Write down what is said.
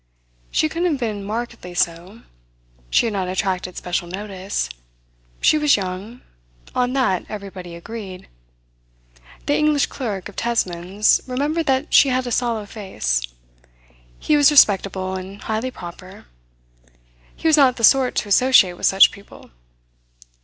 She couldn't have been markedly so. She had not attracted special notice. She was young on that everybody agreed. The English clerk of Tesmans remembered that she had a sallow face. He was respectable and highly proper. He was not the sort to associate with such people.